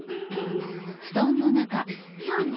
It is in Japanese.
今日ね。